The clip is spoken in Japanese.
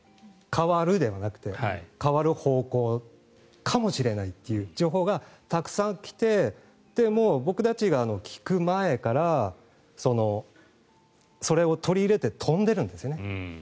変わるではなくて変わる方向かもしれないっていう情報がたくさん来て僕たちが聞く前からそれを取り入れて飛んでるんですよね。